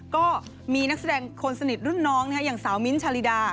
ก็มีนักแสดงคนสนิทรุ่นน้องอย่างสาวมิ้นท์ชาลีดา